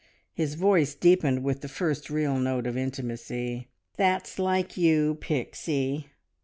His voice deepened with the first real note of intimacy. "That's like you, Pixie!